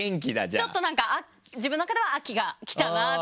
ちょっとなんか自分の中では秋がきたなっていうか。